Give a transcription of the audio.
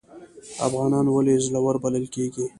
افغانان ولې زړور بلل کیږي؟